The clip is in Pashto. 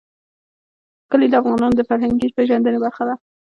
کلي د افغانانو د فرهنګي پیژندنې برخه ده.